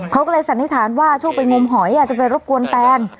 เขาก็เลยสันนิษฐานว่าช่วงไปงมหอยจะไปรบกวนแตน